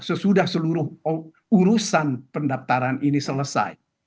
sesudah seluruh urusan pendaftaran ini selesai